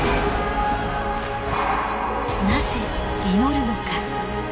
なぜ祈るのか。